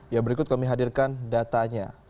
ya berikut kami hadirkan datanya